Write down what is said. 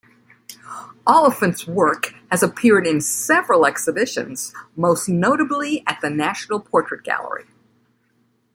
Oliphant's work has appeared in several exhibitions, most notably at the National Portrait Gallery.